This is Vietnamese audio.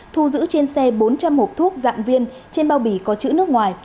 thu giữ trên xe bốn trăm linh hộp thuốc dạng viên trên bao bì có chữ nước ngoài